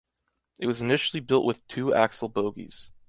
It was initially built with two-axle bogies.